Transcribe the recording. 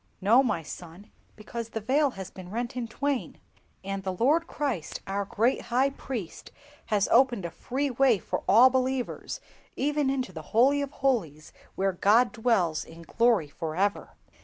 "No, my son, because the Veil has been rent in twain, and the Lord Christ, our great High Priest, has opened a free way for all believers, even into the Holy of holies where God dwells in glory for ever!"